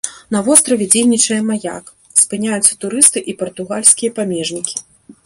На востраве дзейнічае маяк, спыняюцца турысты і партугальскія памежнікі.